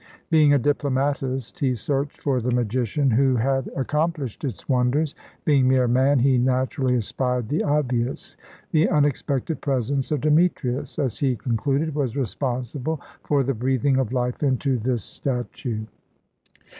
Being a diplomatist, he searched for the magician who had accomplished its wonders; being mere man, he naturally espied the obvious. The unexpected presence of Demetrius, as he concluded, was responsible for the breathing of life into this statue.